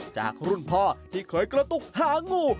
จากรุ่นพ่อที่เคยกระตุกหางู